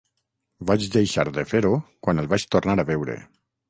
Vaig deixar de fer-ho quan el vaig tornar a veure.